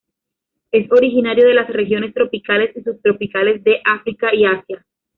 Es originario de las regiones tropicales y subtropicales de África y Asia.